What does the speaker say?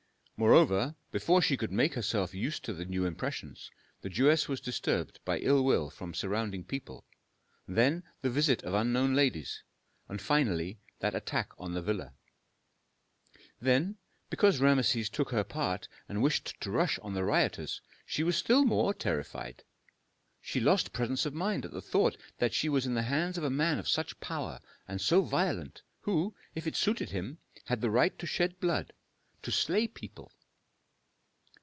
Moreover, before she could make herself used to the new impressions, the Jewess was disturbed by ill will from surrounding people; then the visit of unknown ladies; finally, that attack on the villa. Then, because Rameses took her part and wished to rush on the rioters, she was still more terrified. She lost presence of mind at the thought that she was in the hands of a man of such power and so violent, who, if it suited him, had the right to shed blood, to slay people.